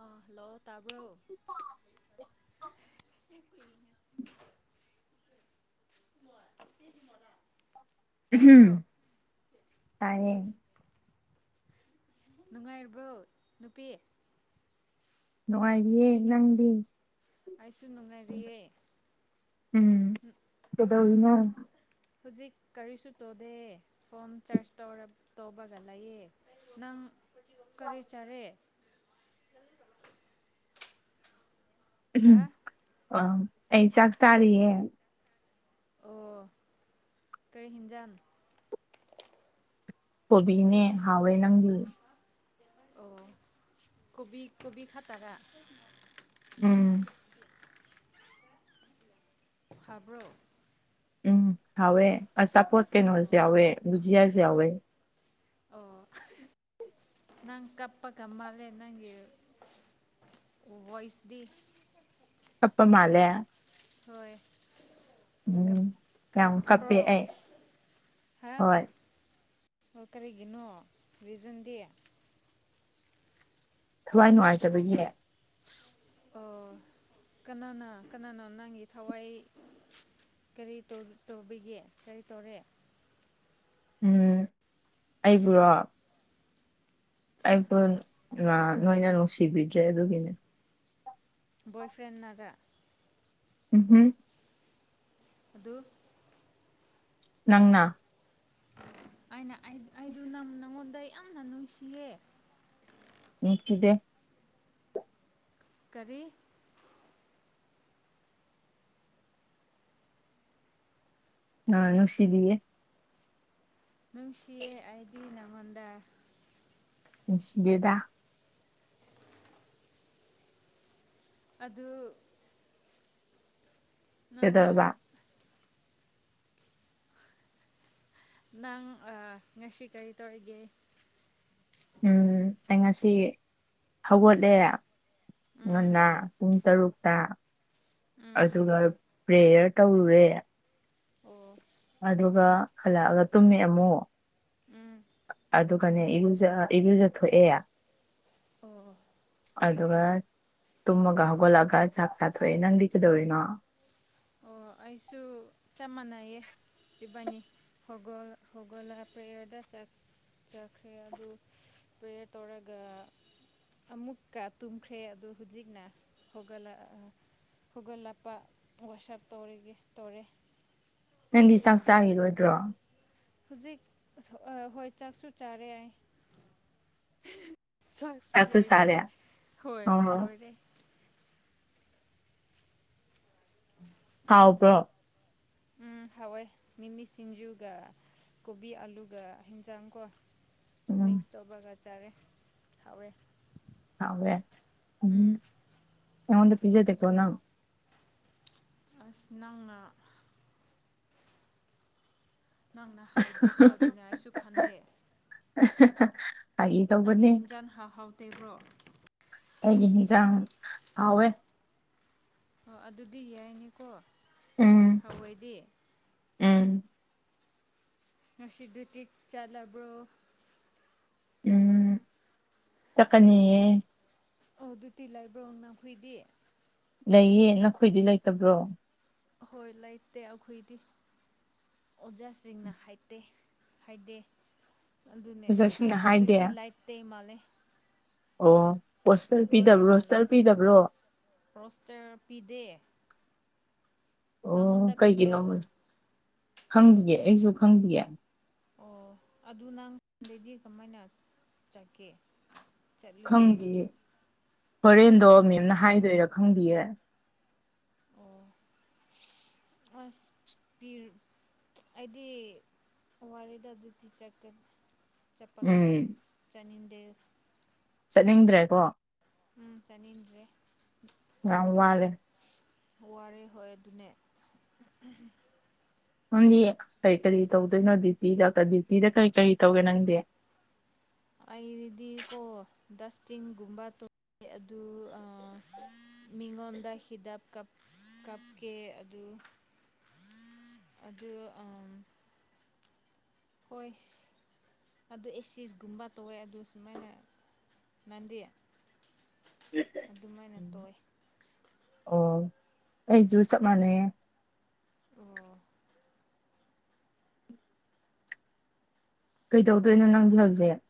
ꯑ ꯍꯜꯂꯣ ꯇꯥꯕ ꯇꯥꯕ꯭ꯔꯣ ꯎꯃꯍꯨꯝ ꯇꯥꯏꯌꯦ ꯅꯨꯡꯉꯥꯏꯔꯕ꯭ꯔꯣ ꯅꯨꯄꯤ ꯅꯨꯡꯉꯥꯏꯔꯤꯌꯦ ꯅꯪꯗꯤ ꯑꯩꯁꯨ ꯅꯨꯡꯉꯥꯏꯔꯤꯌꯦ ꯎꯝ ꯀꯩꯗꯧꯔꯤꯅꯣ ꯍꯧꯖꯤꯛ ꯀꯔꯤꯁꯨ ꯇꯧꯗꯦ ꯐꯣꯝ ꯆꯥꯔꯖ ꯇꯧꯔ ꯇꯧꯕꯒ ꯂꯩꯌꯦ ꯅꯪ ꯀꯔꯤ ꯆꯥꯔꯦ ꯍꯥ ꯎꯝ ꯑ ꯑꯩ ꯆꯥꯛ ꯆꯥꯔꯤꯌꯦ ꯑꯣ ꯀꯔꯤ ꯍꯤꯡꯖꯥꯟ ꯀꯣꯕꯤꯅꯦ ꯍꯥꯎꯋꯦ ꯅꯪꯗꯤ ꯑꯣ ꯀꯣꯕꯤ ꯀꯣꯕꯤ ꯈꯥ ꯇꯔꯥ ꯎꯝ ꯍꯕ꯭ꯔꯣ ꯎꯝ ꯍꯋꯦ ꯑꯆꯄꯣꯠ ꯀꯩꯅꯣ ꯁꯨ ꯌꯥꯎꯋꯦ ꯕꯨ ꯖꯤꯌꯥꯁꯨ ꯌꯥꯎꯋꯦ ꯑꯣ ꯅꯪ ꯀꯄ ꯀ ꯃꯥꯂꯦ ꯅꯪꯒꯤ ꯕꯣꯏꯁꯗꯤꯁ ꯇꯞꯄ ꯃꯥꯜꯂꯦ ꯍꯣꯏ ꯎꯝ ꯌꯥꯝ ꯀꯞꯄꯦ ꯀꯞꯄ꯭ꯔꯣ ꯑꯩ ꯍꯥ ꯍꯣꯏ ꯑꯣ ꯀꯔꯤꯒꯤꯅꯣ ꯔꯤꯖꯟꯗꯤ ꯊꯋꯥꯏ ꯅꯨꯡꯉꯥꯏꯇꯥꯕꯒꯤꯅꯦ ꯑꯣ ꯀꯅꯥꯅ ꯀꯅꯥꯅꯣ ꯅꯪꯒꯤ ꯊꯋꯥꯏ ꯀꯔꯤ ꯇꯣꯕꯤ ꯇꯧꯕꯤꯒꯦ ꯀꯔꯤ ꯇꯧꯔꯦ ꯎꯝ ꯑꯩꯕꯨꯔꯣ ꯑꯩꯕꯨ ꯅꯣꯏꯅ ꯅꯨꯡꯁꯤꯕꯤꯗ꯭ꯔꯦ ꯑꯗꯨꯒꯤꯅꯦ ꯕꯣꯏ ꯐ꯭ꯔꯦꯟꯅꯥꯒꯥ ꯎꯝ ꯍꯝ ꯑꯗꯨ ꯅꯪꯅ ꯑꯩꯅ ꯑꯩꯗꯨ ꯅ ꯅꯪꯉꯣꯟꯗ ꯌꯥꯝꯅ ꯅꯨꯡꯁꯤꯌꯦ ꯅꯨꯡꯁꯤꯗꯦ ꯀꯔꯤ ꯅꯨꯡꯁꯤꯗꯤꯌꯦ ꯅꯨꯡꯁꯤꯌꯦ ꯑꯩꯗꯤ ꯅꯪꯉꯣꯟꯗ ꯅꯨꯡ ꯁꯤꯗꯦꯗ ꯑꯗꯨ ꯅꯨꯡ ꯀꯩꯗꯧꯔꯕ ꯅꯪ ꯑꯥ ꯉꯁꯤ ꯀꯔꯤ ꯇꯧꯔꯤꯒꯦ ꯎꯝ ꯑꯩ ꯉꯁꯤ ꯍꯧꯒꯠꯂꯦ ꯎꯝ ꯉꯅꯥ ꯄꯨꯡ ꯇꯔꯨꯛꯇꯥ ꯎꯝ ꯑꯗꯨꯒꯥ ꯄ꯭ꯔꯦꯌꯔ ꯇꯧꯔꯨꯔꯦ ꯑꯣ ꯑꯗꯨꯒ ꯍꯜꯂꯛꯑꯒ ꯇꯨꯝꯃꯦ ꯑꯃꯨꯛ ꯎꯝ ꯑꯗꯨꯒꯅꯦ ꯏꯔꯨꯖ ꯏꯔꯨꯖꯊꯣꯑꯦ ꯑꯣ ꯑꯗꯨꯒ ꯇꯨꯝꯃꯒ ꯍꯧꯒꯠꯂꯛꯑꯒ ꯆꯥꯛ ꯆꯥꯊꯣꯛꯑꯦ ꯅꯪꯗꯤ ꯀꯩꯗꯧꯔꯤꯅꯣ ꯑꯣ ꯑꯩꯁꯨ ꯆꯞ ꯃꯥꯟꯅꯩꯌꯦ ꯄꯕꯥꯅꯤ ꯍꯒꯣꯜ ꯍꯒꯣꯂ ꯄ꯭ꯔꯦꯌꯔꯗ ꯆ ꯆꯈꯔꯤ ꯑꯗꯨ ꯑꯗꯨ ꯄꯦꯌꯔ ꯇꯣꯔꯒ ꯑꯃꯨꯛꯀ ꯇꯨꯝꯈ꯭ꯔꯦ ꯑꯗꯨ ꯍꯧꯖꯤꯛꯅ ꯍꯧꯒꯠꯂꯛ ꯍꯧꯒꯜꯂꯛꯞꯄ ꯋꯥꯁꯞ ꯇꯧꯔꯤꯒꯦ ꯇꯧꯔꯦ ꯅꯪꯗꯤ ꯆꯥꯛ ꯑꯗꯨ ꯑꯗꯨ ꯆꯥꯈꯤꯔꯣꯏꯗ꯭ꯔꯣ ꯍꯧꯖꯤꯛ ꯍꯣꯏ ꯆꯥꯛꯁꯨ ꯆꯥꯔꯦ ꯌꯥꯏ ꯆꯥꯛꯁꯨ ꯂꯣꯏꯔꯦ ꯍꯣꯏ ꯑꯣ ꯂꯣꯏꯔꯦ ꯎꯝ ꯍꯥꯎꯕ꯭ꯔꯣ ꯎꯝ ꯍꯋꯏ ꯃꯤꯃꯤ ꯁꯤꯡꯖꯨꯒ ꯀꯣꯕꯤ ꯑꯂꯨꯒ ꯍꯟꯖꯥꯡꯀꯣ ꯃꯁ ꯎꯝ ꯇꯕꯒ ꯆꯔꯦ ꯍꯋꯦ ꯎꯝ ꯑꯩꯉꯣꯟꯗ ꯄꯤꯖꯦ ꯊꯂꯣꯅ ꯑꯁꯤ ꯅꯪꯅ ꯅꯪꯅ ꯍꯥꯏꯗꯦꯀꯣ ꯑꯗꯨꯅꯦ ꯑꯩꯁꯨ ꯈꯟꯗꯦ ꯑ ꯅꯪꯒꯤ ꯍꯤꯟꯖꯥꯟ ꯍꯥꯎꯍꯥꯎꯇꯦꯕ꯭ꯔꯣ ꯑꯩꯒꯤ ꯍ ꯆ ꯍꯋꯦ ꯑꯣ ꯑꯗꯨꯗꯤ ꯌꯥꯏꯅꯦꯀꯣ ꯎꯝ ꯍꯑꯣꯏꯗꯤ ꯎꯝ ꯉꯁꯤ ꯇ ꯆꯥ ꯂꯕꯣ ꯎꯝ ꯑꯗꯨ ꯆꯠꯀꯅꯤꯌꯦ ꯑꯣ ꯇꯤ ꯂꯥꯏ ꯕ꯭ꯔꯥꯎꯅꯥꯈꯨꯏꯗꯤ ꯂꯩꯌꯦ ꯅꯈꯣꯏꯗꯤ ꯂꯩꯇꯕ꯭ꯔꯣ ꯍꯣꯏ ꯂꯩꯇꯦ ꯑꯩꯈꯣꯏꯗꯤ ꯑꯣꯖꯥꯁꯤꯡꯅ ꯍꯥꯏꯇꯦ ꯍꯥꯏꯗꯦ ꯑꯗꯨꯅꯦ ꯑꯣꯖꯥꯁꯤꯡꯅ ꯍꯥꯏꯗꯦ ꯏꯇꯤ ꯂꯥꯏꯠ ꯇꯩ ꯃꯥꯜꯂꯦ ꯑꯣ ꯄꯣꯁꯇꯔ ꯂꯔꯦ ꯄꯤꯗꯕ꯭ꯔꯣ ꯃꯥꯂꯦ ꯁ꯭ꯇꯔ ꯄꯤꯗꯕ꯭ꯔꯣ ꯔꯣꯁꯇꯔ ꯄꯤꯗꯦ ꯑꯣ ꯅꯪꯉꯣꯟꯗ ꯄꯤꯕ꯭ꯔꯣ ꯀꯩꯒꯤꯅꯣꯃ ꯈꯪꯗꯌꯦꯦ ꯑꯩꯁꯨ ꯈꯪꯗꯌꯦ ꯑꯣ ꯑꯗꯨ ꯅꯪꯣꯟꯗꯩꯗꯤ ꯀꯃꯥꯏꯅ ꯆꯠꯀꯦ ꯆꯠꯂꯒꯦ ꯈꯪꯒꯤꯦ ꯍꯣꯔꯦꯟꯗꯣ ꯑꯣ ꯃꯦꯝꯅ ꯍꯥꯏꯗꯣꯏꯔꯥ ꯈꯪꯕꯤꯌꯦ ꯑꯣ ꯑꯁ ꯄ ꯑꯩꯗꯤ ꯋꯥꯔꯤꯗ ꯑꯗꯨꯗꯤ ꯆꯠꯄꯒ ꯎꯝ ꯆꯥꯅꯤꯡꯗꯦ ꯆꯠꯅꯤꯡꯗ꯭ꯔꯦꯀꯣ ꯎꯝ ꯆꯅꯤꯤꯟꯔꯤ ꯑ ꯃꯥꯂꯦ ꯋꯥꯔꯦ ꯍꯣꯏ ꯑꯗꯨꯅꯦ ꯅꯪꯗꯤ ꯀꯔꯤ ꯀꯔꯤ ꯇꯧꯗꯣꯏꯅꯣ ꯗ꯭ꯌꯨꯇꯤ ꯗꯇ ꯗ꯭ꯌꯨꯇꯤꯗ ꯀꯔꯤ ꯀꯔꯤ ꯇꯧꯒꯦ ꯅꯪꯗꯤ ꯑꯏꯔꯤꯗꯤ ꯀꯧꯕ ꯗꯁꯇꯤꯡꯤꯡ ꯃꯕꯥ ꯇꯣ ꯑꯗꯨ ꯃꯤꯉꯣꯟꯗ ꯍꯤꯗꯞ ꯀꯥꯞꯀꯦ ꯑꯗꯨ ꯑꯗ ꯑ ꯑꯣꯏꯣꯏ ꯑꯗꯨ ꯑꯦ ꯁꯤꯁꯒꯨꯝꯕ ꯇꯧꯋꯦ ꯑꯗꯨ ꯁꯨꯃꯥꯏꯅ ꯅꯪꯗꯤ ꯑꯗꯨꯃꯥꯏꯅ ꯇꯧ ꯑꯩꯁꯨꯨ ꯆꯞ ꯃꯥꯟꯅꯦ ꯑꯣ ꯀꯩꯇꯧꯗꯣꯏꯅꯣ ꯅꯪꯗꯤꯦ ꯍꯧꯁꯛ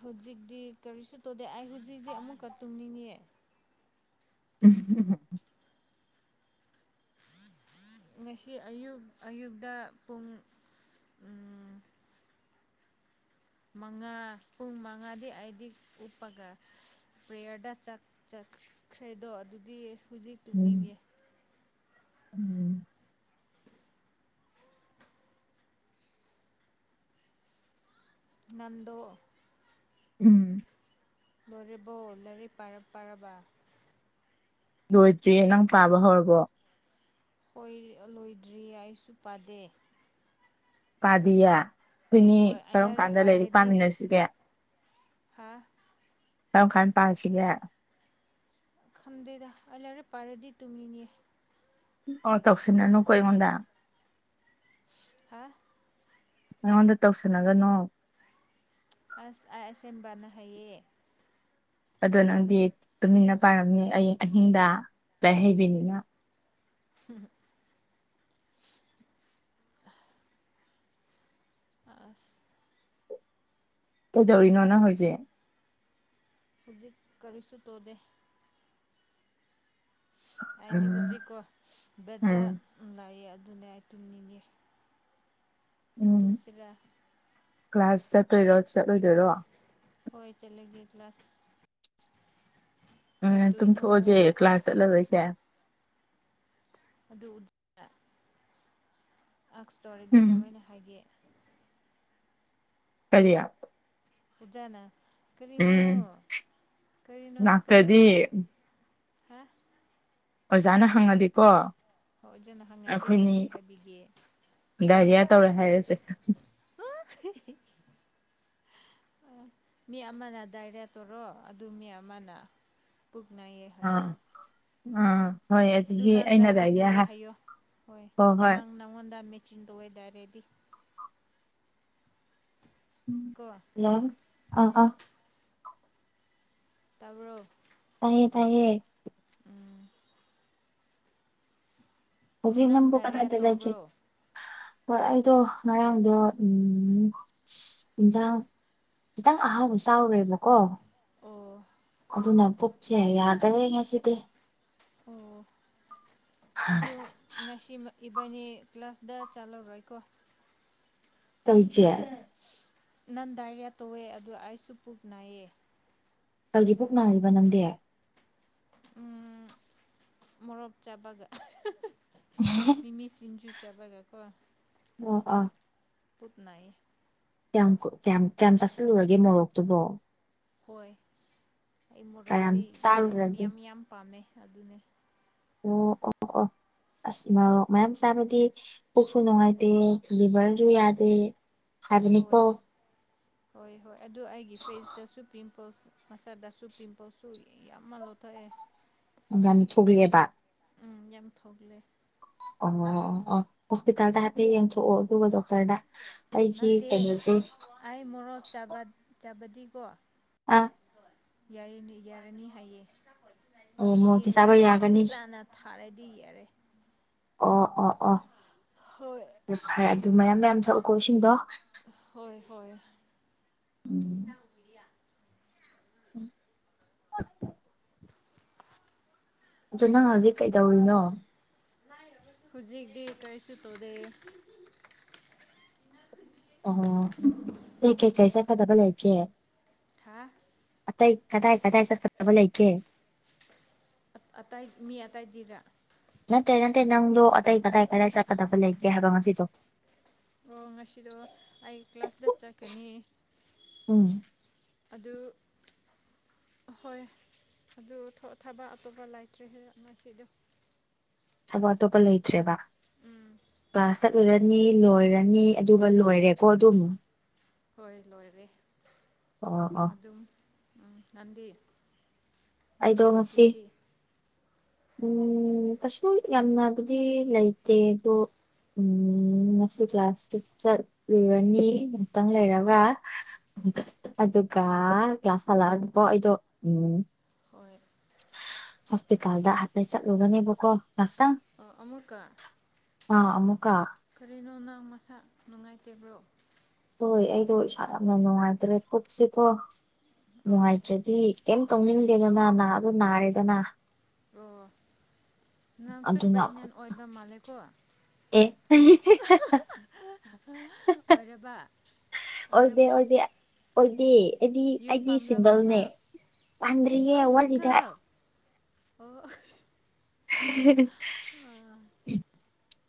ꯍꯧꯖꯤꯛꯇꯤ ꯀꯔꯤꯁꯨ ꯇꯧꯗꯦ ꯑꯩ ꯍꯧꯖꯤꯛꯇꯤ ꯑꯃꯨꯛꯀ ꯇꯨꯝꯅꯤꯅꯦꯌꯦ ꯎꯝ ꯉꯁꯤ ꯑꯌꯨꯛ ꯑꯌꯨꯛꯇ ꯄꯨꯡ ꯃꯉꯥ ꯄꯨꯡ ꯃꯉꯥꯗꯤ ꯑꯩꯗꯤ ꯎꯞꯄꯒ ꯄ꯭ꯔꯦꯌꯔꯗ ꯆ ꯈ꯭ꯔꯦꯗꯣ ꯑꯗꯨꯗꯤ ꯍꯨꯖꯤꯛ ꯇꯨꯝꯅꯤꯡꯉꯦ ꯎꯝ ꯅꯟꯗꯣ ꯎꯝ ꯂꯣꯏꯔꯤꯕꯣ ꯂꯥꯏꯔꯤꯛ ꯄꯥꯔꯕ ꯂꯣꯏꯗ꯭ꯔꯤ ꯅꯪ ꯄꯥꯕ ꯍꯧꯔꯕꯣ ꯂꯣꯏꯗ꯭ꯔꯤ ꯑꯩꯁꯨ ꯄꯥꯗꯦ ꯄꯥꯗꯤꯌꯦ ꯈꯣꯏꯅꯤ ꯍꯣꯏ ꯑꯩ ꯀꯔꯝ ꯀꯥꯟꯗ ꯂꯥꯏꯔꯤꯛ ꯄꯥꯃꯤꯟꯅꯁꯤꯒꯦ ꯍꯥꯥ ꯀꯝ ꯈꯥꯟ ꯄꯥꯔꯁꯤꯒꯦ ꯈꯝꯗꯦꯗ ꯑꯂꯎꯔ ꯄꯥꯔꯥꯗꯤ ꯇꯨꯡꯃꯤꯅꯤ ꯑꯣ ꯇꯧꯁꯤꯅꯅꯨ ꯀꯣ ꯑꯩꯉꯣꯟꯗ ꯍꯥ ꯑꯩꯉꯣꯟꯗ ꯇꯧꯁꯟꯅꯒꯅꯣ ꯑꯁ ꯑꯁꯦꯡꯕꯅ ꯍꯥꯏꯌꯦ ꯑꯗꯣ ꯅꯪꯗꯤ ꯇꯨꯃꯤꯟꯅ ꯄꯥꯔꯝꯃꯤ ꯑꯩ ꯑꯍꯤꯡꯗ ꯂꯥꯏ ꯍꯩꯕꯤꯅꯤꯅ ꯍꯝ ꯑꯁ ꯀꯩꯗꯧꯔꯤꯅꯣ ꯅꯪ ꯍꯧꯖꯤꯛ ꯍꯧꯖꯤꯛ ꯀꯔꯤꯁꯨ ꯇꯧꯗꯦ ꯍꯥꯏꯗꯤ ꯎꯝ ꯍꯧꯨꯗ꯭ꯔꯤꯀꯣ ꯕꯦꯗꯥ ꯎꯝ ꯂꯥꯛꯑꯦ ꯑꯗꯨꯅꯦ ꯑꯩ ꯇꯨꯝꯅꯤꯡꯉꯦ ꯎꯝ ꯇꯨꯝꯁꯤꯔ ꯀ꯭ꯂꯥꯁ ꯆꯠꯇꯣꯏꯔꯣ ꯆꯠꯂꯣꯏꯗꯣꯏꯔꯣ ꯍꯣꯏ ꯆꯠꯂꯦꯒꯦ ꯀ꯭ꯂ ꯀ꯭ꯂꯥꯁ ꯎꯝ ꯆꯠꯇꯣꯏꯅꯣ ꯇꯨꯝꯊꯣꯛꯑꯁꯦ ꯀ꯭ꯂꯥꯁ ꯆꯠꯂꯔꯣꯏꯁꯦ ꯑꯗꯨ ꯎ ꯑꯁꯇꯣꯔꯤꯗꯤ ꯎꯝ ꯀꯃꯥꯏꯅ ꯍꯥꯏꯒꯦ ꯀꯔꯤ ꯑꯣꯖꯥꯅ ꯀꯔꯤꯅꯣ ꯎꯝ ꯀꯔꯤꯅꯣ ꯂꯥꯛꯇ꯭ꯔꯗꯤ ꯀꯔꯤꯒꯤ ꯍꯥ ꯑꯣꯖꯥꯅ ꯍꯪꯉꯗꯤꯀꯣ ꯍꯣꯏ ꯑꯣꯖꯥꯅ ꯍꯪꯉꯗꯤ ꯑꯩꯈꯣꯏꯅꯤ ꯀꯔꯤ ꯍꯥꯏꯕꯤꯒꯦ ꯗꯥꯔꯤꯌꯥ ꯇꯧꯔꯦ ꯍꯥꯏꯔꯁꯦ [inaudible] ꯃꯤ ꯑꯃꯅ ꯗꯥꯏꯔꯤꯌꯥ ꯇꯧꯔꯣ ꯑꯗꯨ ꯃꯤ ꯑꯃꯅ ꯄꯨꯛꯅꯥꯩ ꯍꯥꯏꯌ ꯑꯥ ꯑꯥ ꯍꯣꯏ ꯑꯗꯨ ꯑꯗꯨꯒꯤ ꯅꯪ ꯗꯥꯏꯔꯦ ꯑꯩꯅꯗꯥꯏꯒꯤ ꯇꯣꯔꯦ ꯍꯥꯏ ꯍꯥꯏꯌꯣ ꯍꯣꯏ ꯅꯪ ꯅꯪꯉꯣꯟꯗ ꯃꯤ ꯆꯤꯟꯗ ꯑꯣꯏ ꯗꯏꯔꯦꯗꯤ ꯀꯣ ꯍꯂ ꯑ ꯑꯥ ꯇꯕ꯭ꯔꯣ ꯇꯥꯏꯌꯦ ꯇꯥꯏꯌꯦ ꯖꯤ ꯅꯪ ꯅꯦꯝꯕꯨꯨ ꯗꯥꯏꯔꯤꯌꯥ ꯀꯁꯥꯏꯗ ꯀ ꯇꯧꯕ꯭ꯔꯣ ꯍꯣꯏ ꯑꯩꯗꯣ ꯉꯔꯥꯡꯗꯣ ꯎꯝ ꯏꯟꯖꯥꯡ ꯈꯤꯇꯪ ꯑꯍꯥꯎꯕ ꯆꯥꯎꯔꯦꯕꯀꯣ ꯑꯣ ꯑꯗꯨꯅ ꯄꯨꯛꯁꯦ ꯌꯥꯗꯕꯦ ꯉꯁꯤꯗꯤ ꯑꯣ ꯑꯗꯨ ꯉꯁꯤꯃꯛ ꯏꯕꯅꯤ ꯀ꯭ꯂꯁꯗ ꯆꯂꯨ ꯔꯀꯣ ꯇꯖꯦ [unintelligible] ꯅꯟ ꯗꯥꯏꯔꯤꯌꯥ ꯇꯧꯑꯦ ꯑꯗꯨ ꯑꯩꯁꯨ ꯄꯨꯛ ꯅꯥꯏꯌꯦ ꯀꯜꯒꯤ ꯄꯨꯛ ꯅꯥꯔꯤꯕ ꯅꯝꯗꯦꯦ ꯎ ꯃꯣꯔꯣꯛ ꯆꯥꯕꯒ ꯃꯤꯃꯤꯁꯤꯟꯖꯨ ꯆꯕꯒꯥ ꯀꯧꯕ ꯑꯣ ꯑ ꯄꯨꯠꯅꯥꯏ ꯀꯌꯥꯝ ꯀꯌꯥꯝ ꯀꯌꯥꯝ ꯆꯥꯁꯤꯜꯂꯨꯔꯒꯦ ꯃꯣꯔꯣꯛꯇꯨꯕꯣ ꯍꯣꯏ ꯑꯩ ꯃꯣꯔꯣꯛꯗꯤ ꯌꯥꯝ ꯌꯥꯝ ꯌꯥꯝ ꯄꯥꯝꯃꯦ ꯑꯗꯨꯅꯤ ꯑꯣ ꯑꯣ ꯑꯣ ꯑꯁ ꯏꯚ ꯃꯌꯥꯝ ꯆꯥꯕꯗꯤ ꯀꯛꯁꯨ ꯅꯨꯡꯉꯥꯏꯇꯦ ꯂꯤꯚꯔꯁꯨ ꯌꯥꯗꯦ ꯍꯥꯏꯕꯅꯤꯀꯣ ꯍꯣꯏ ꯍꯣꯏ ꯍꯣꯏ ꯑꯗꯨ ꯑꯩꯒꯤ ꯐꯦꯁꯇꯁꯨ ꯄꯤꯝ ꯄꯝꯄ ꯃꯁꯗꯁꯨ ꯄꯤꯝꯄꯜꯁꯨ ꯌꯥꯝꯅ ꯂꯧꯊꯣꯛꯑꯦ ꯉꯅ ꯊꯣꯛꯂꯛꯑꯦꯕ ꯎꯝ ꯌꯥꯝ ꯊꯣꯛꯂꯦ ꯑꯣ ꯑꯣ ꯍꯁꯄꯤꯇꯥꯜ ꯇ ꯍꯕꯡ ꯊꯣꯛꯑꯣ ꯑꯗꯨꯒ ꯗꯣꯛꯇꯔꯅ ꯑꯩꯁꯤ ꯅꯠꯇꯦ ꯀꯩꯅꯣꯁꯦ ꯆꯕꯗꯤꯀꯣ ꯑꯥ ꯌꯥꯏ ꯌꯥꯔꯅꯤ ꯍꯥꯏꯌꯦ ꯃꯣꯔꯣꯛꯇꯤ ꯏꯁꯤꯡ ꯆꯥꯕ ꯌꯥꯒꯅꯤ ꯐꯖꯅ ꯊꯥꯔꯗꯤ ꯌꯦꯔꯦ ꯑꯣ ꯑꯣ ꯑꯣ ꯍꯣꯏ ꯑꯗꯨ ꯐꯔꯦ ꯑꯗꯨ ꯃꯌꯥꯝ ꯃꯌꯥꯝ ꯁꯛꯎꯀꯣ ꯏꯁꯤꯡꯗꯣ ꯍꯣꯏ ꯍꯣꯏ ꯎꯝ ꯑꯗꯣ ꯅꯪ ꯍꯧꯖꯤꯛ ꯀꯩꯗꯧꯔꯤꯅꯣ ꯍꯧꯖꯤꯛꯇꯤ ꯀꯔꯤꯁꯨ ꯇꯧꯗꯦ ꯂꯆꯦ ꯊꯥ ꯀꯇꯩ ꯀꯗꯥꯏ ꯀꯗꯥꯏ ꯆꯠꯀꯗꯕ ꯂꯩꯒꯦ ꯑꯇꯥꯏ ꯃꯤ ꯑꯇꯥꯏꯗꯤꯔꯥ ꯅꯠꯇꯦ ꯅꯠꯇꯦ ꯅꯪꯗꯣ ꯑꯇꯩ ꯀꯗꯥꯏ ꯀꯗꯥꯏ ꯆꯠꯀꯗꯕ ꯂꯩꯒꯦ ꯍꯥꯏꯕ ꯉꯁꯤꯗꯣ ꯑꯣ ꯉꯁꯤꯗꯣ ꯑꯩ ꯀ꯭ꯂꯥꯁꯇ ꯆꯠꯀꯅꯤ ꯎꯝ ꯑꯗꯨ ꯍꯣꯏ ꯑꯗꯨ ꯊ ꯑ ꯊꯕ ꯑꯇꯣꯞꯄ ꯂꯩꯥꯏꯇ꯭ꯔꯦ ꯉꯁꯤꯗꯣ ꯊꯕꯛ ꯑꯇꯣꯞꯄ ꯂꯩꯇ꯭ꯔꯦꯕ ꯎꯝ ꯆꯠꯂꯨꯔꯅꯤ ꯂꯣꯏꯔꯅꯤ ꯎꯝ ꯑꯗꯨꯒ ꯂꯣꯏꯔꯦꯀꯣ ꯑꯗꯨꯝ ꯍꯣꯏ ꯂꯣꯏꯔꯦ ꯑ ꯑꯥ ꯑꯗꯨꯝ ꯎꯝ ꯅꯪꯗꯤ ꯑꯩꯗꯣ ꯅꯪꯒꯤꯕ꯭ꯔꯣ ꯉꯁꯤ ꯇꯤꯟꯗꯤ ꯎꯝ ꯀꯩꯁꯨ ꯌꯥꯝꯅꯕꯨꯗꯤ ꯂꯩꯇꯦ ꯑꯗꯣ ꯎꯝ ꯉꯁꯤ ꯀ꯭ꯂꯥꯁ ꯆꯠꯂꯤꯨꯔꯅꯤ ꯑꯃꯨꯛꯇꯪ ꯂꯩꯔꯒ ꯑꯗꯨꯒ ꯀꯌꯥ ꯁꯥꯂꯛꯑꯒꯀꯣ ꯑꯩꯗꯣ ꯎꯝ ꯍꯣꯏ ꯍꯣꯁꯄꯤꯇꯥꯜꯗ ꯍꯥꯏꯐꯄꯦꯠ ꯆꯠꯂꯨꯒꯅꯦꯕꯀꯣ ꯉꯁꯪ ꯑꯃꯨꯛꯀ ꯑꯥ ꯑꯃꯃꯨꯀ ꯀꯔꯤꯅꯣ ꯅꯪ ꯃꯁꯥ ꯅꯨꯡꯉꯥꯏꯇꯕ꯭ꯔꯣ ꯍꯣꯏ ꯑꯩꯗꯣ ꯏꯁꯥ ꯌꯥꯝꯅ ꯅꯨꯡꯉꯥꯏꯇ꯭ꯔꯦ ꯄꯣꯠꯁꯤꯀꯣ ꯍꯣꯏ ꯅꯨꯡꯉꯥꯏꯖꯗꯤ ꯀꯩꯝ ꯇꯧꯅꯤꯡꯒꯦꯗꯣꯅ ꯅꯥꯗꯣ ꯅꯥꯔꯦꯗꯅ ꯑꯣ ꯅꯪꯁꯨ ꯑꯗꯨꯅ ꯄ꯭ꯔꯦꯒꯅꯦꯟ ꯑꯣꯏꯕ ꯃꯥꯜꯂꯦꯀꯣ [unintelligible] ꯑꯣꯏꯔꯕ ꯑꯣꯏꯗꯦ ꯑꯣꯏꯔꯕꯣ ꯑꯣꯏꯗꯦ ꯑꯣꯏꯗꯦ ꯑꯩꯗꯤ ꯌꯨꯝ ꯑꯩꯗꯤ ꯄꯥꯝꯂꯕ꯭ꯔꯣ ꯟꯒꯜꯅꯦ ꯅꯪ ꯑ ꯄꯟ꯭ꯌꯦꯦ ꯋꯥꯜꯗ ꯁꯤꯡꯒꯜ ꯑꯣ [inaudible]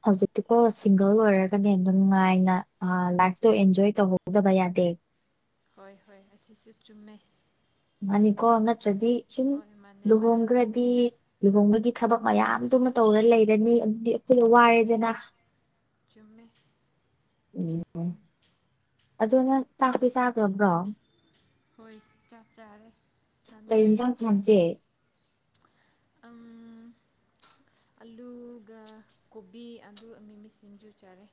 ꯍꯧꯖꯤꯛꯇꯤꯀꯣ ꯁꯤꯡꯒꯜ ꯑꯣꯏꯔꯒꯗꯤ ꯑꯗꯨꯝ ꯉꯥꯏꯅ ꯂꯥꯏꯐꯇꯣ ꯑꯦꯟꯖꯣꯏ ꯇꯧꯍꯧꯗꯕ ꯌꯥꯗꯦ ꯗ ꯍꯣꯏ ꯍꯣꯏ ꯑꯁꯤꯁꯨ ꯆꯨꯝꯃꯦ ꯃꯥꯅꯤꯀꯣ ꯅꯠꯇ꯭ꯔꯗꯤ ꯁꯨꯝ ꯍꯣꯏ ꯃꯥꯅꯦ ꯃꯥꯅꯦ ꯂꯨꯍꯣꯡꯈ꯭ꯔꯗꯤ ꯂꯨꯍꯣꯡꯕ ꯒꯤ ꯊꯕꯛ ꯃꯌꯥꯝꯗꯨꯃ ꯇꯧꯔ ꯂꯩꯔꯅꯤ ꯑꯗꯨꯗꯤ ꯁꯤꯂꯣ ꯆꯨꯝꯃꯦ ꯋꯥꯔꯦꯗꯅ ꯆꯨꯝꯃꯦ ꯎꯝ ꯑꯗꯨ ꯅꯪ ꯆꯥꯛꯇꯤ ꯆꯥꯈ꯭ꯔꯕ꯭ꯔꯣ ꯍꯣꯏ ꯆꯥ ꯆꯥꯔꯦ ꯅꯪꯗꯤ ꯟꯖꯝ ꯊꯪꯇꯦ ꯑ ꯑꯂꯨꯒ ꯀꯣꯕꯤ ꯑꯂꯨ ꯃꯤꯃꯤ ꯁꯤꯡꯖꯨ ꯆꯥꯔꯦ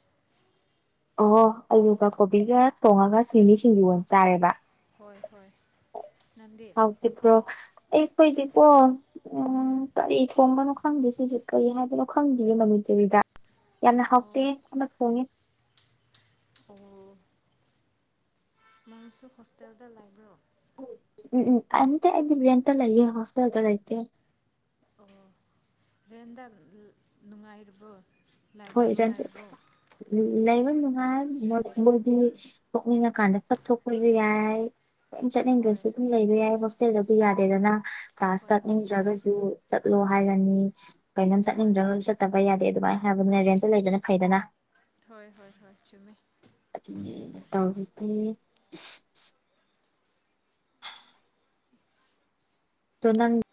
ꯑꯣꯍꯣ ꯑꯗꯨꯒ ꯀꯣꯕꯤꯒ ꯇꯣꯡꯉꯒ ꯁꯤꯡꯃꯤ ꯁꯤꯡꯖꯒꯣꯟ ꯆꯥꯔꯦꯕ ꯍꯣꯏ ꯍꯣꯏ ꯅꯪꯗꯤ ꯍꯥꯎꯒꯤ ꯄ꯭ꯔꯣ ꯑꯩ ꯀꯣꯏꯗꯤ ꯄꯣ ꯎ ꯎꯝ ꯇꯔꯤꯊ ꯀꯝꯕꯅ ꯈꯪꯗꯦ ꯁꯤꯁꯦ ꯀꯩ ꯍꯥꯏꯕꯅꯣ ꯈꯪꯗꯦꯒꯦ ꯃꯃꯤꯨ ꯇꯨꯔꯤꯗ ꯌꯥꯝꯅ ꯑꯣ ꯍꯥꯎꯇꯦ ꯑꯃ ꯊꯣꯡꯉꯦ ꯑꯣ ꯃꯣꯏꯁꯨ ꯍꯣꯁꯇꯦꯜꯗ ꯂꯥꯏꯕ꯭ꯔꯣ ꯎꯝ ꯑꯦꯇ ꯂꯌꯦꯦ ꯍꯣꯁꯄꯤꯦꯦꯜꯗ ꯂꯩꯥꯏꯇꯩ ꯑꯣ ꯔꯦꯟꯗ ꯅꯨꯡꯉꯥꯏꯔꯕꯣ ꯍꯣꯏ ꯂꯩꯕ ꯅꯨꯡꯉꯥꯏ ꯃꯣꯏꯗꯤꯅꯤꯡ ꯀꯥꯟꯗ ꯐꯠ ꯊꯣꯛꯄꯁꯨ ꯌꯥꯏ ꯀꯝ ꯍꯣꯏ ꯆꯠꯅꯤꯡꯗ꯭ꯔꯁꯨ ꯑꯗꯨꯝ ꯂꯩꯕ ꯌꯥꯏ ꯍꯣꯁꯇꯦꯜꯗꯗꯤ ꯌꯥꯗꯦꯗꯅ ꯀ꯭ꯂꯥꯁ ꯍꯣꯏ ꯍꯣꯏ ꯆꯨꯝꯃꯦ ꯆꯠꯅꯤꯡꯗ꯭ꯔꯒꯁꯨ ꯆꯠꯂꯣ ꯍꯥꯏꯒꯅꯤ ꯀꯩꯅꯣꯝ ꯍꯣꯏ ꯆꯠꯅꯤꯡꯗ꯭ꯔꯒꯁꯨ ꯆꯠꯇꯕ ꯌꯥꯗꯦ ꯑꯗꯨꯃꯥꯏꯅ ꯍꯥꯏꯕꯅꯦ ꯔꯦꯟꯇ ꯂꯩꯗꯅ ꯐꯩꯗꯅ ꯍꯣꯏ ꯍꯣꯏ ꯍꯣꯏ ꯆꯨꯝꯃꯦ ꯑꯗꯨ ꯇꯔꯤꯁꯦ ꯣ ꯅꯪ